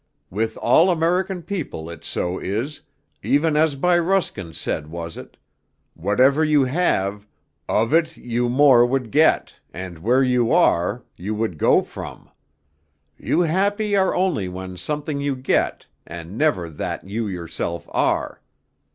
With all American people it so is, even as by Ruskin said was it; whatever you have, of it you more would get, and where you are, you would go from. You happy are only when something you get, and never that you yourself are.'